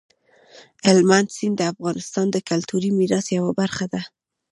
هلمند سیند د افغانستان د کلتوري میراث یوه برخه ده.